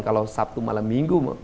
kalau sabtu malam minggu